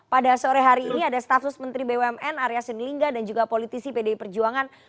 pada sore hari ini ada staf sus menteri bumn arya sindingga dan juga politisi pdi perjuangan